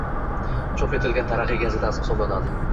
chop etilgan “Taraqqiy” gazetasi hisoblanadi.